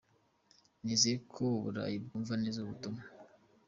Nizeye ko Uburayi bwumva neza ubu butumwa.